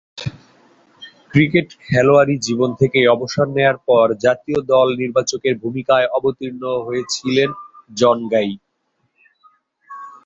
Cricket খেলোয়াড়ী জীবন থেকে অবসর নেয়ার পর জাতীয় দল নির্বাচকের ভূমিকায় অবতীর্ণ হয়েছিলেন জন গাই।